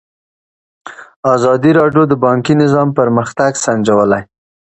ازادي راډیو د بانکي نظام پرمختګ سنجولی.